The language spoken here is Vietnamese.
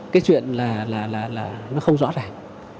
cái chuyện là nó không rõ ràng